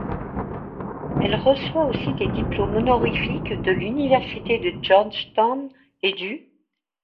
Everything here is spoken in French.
Elle reçoit aussi des diplômes honorifiques de l'université de Georgetown et du .